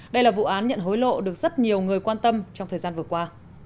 đây là vụ án nhận hối lộ được rất nhiều người quan tâm trong thời gian vừa qua